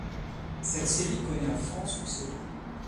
Cette série connaît un franc succès.